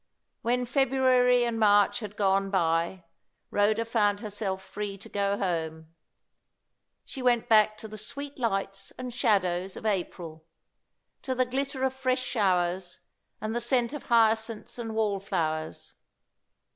When February and March had gone by, Rhoda found herself free to go home. She went back to the sweet lights and shadows of April; to the glitter of fresh showers, and the scent of hyacinths and wall flowers.